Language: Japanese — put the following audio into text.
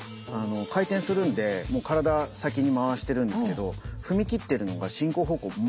回転するんでもう体先に回してるんですけど踏み切ってるのが進行方向